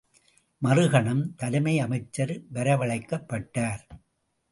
மறுகணம், தலைமை அமைச்சர் வரவழைக்கப்பட்டார்.